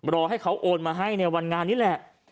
รอให้เขาโอนมาให้ในวันงานนี้แหละ